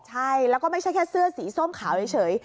ใช่แล้วก็ไม่ใช่แค่เสื้อสีส้มขาวเฉย